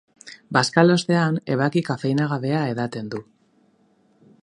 Bazkalostean, ebaki kafeinagabea edaten du.